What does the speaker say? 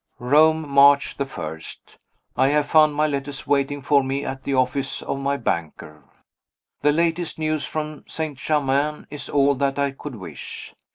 Rome, March 1. I have found my letters waiting for me at the office of my banker. The latest news from St. Germain is all that I could wish.